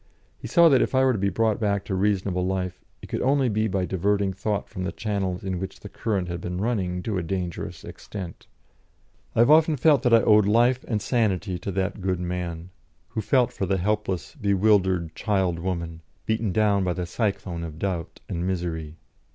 He saw that if I were to be brought back to reasonable life, it could only be by diverting thought from the channels in which the current had been running to a dangerous extent. I have often felt that I owed life and sanity to that good man, who felt for the helpless, bewildered child woman, beaten down by the cyclone of doubt and misery.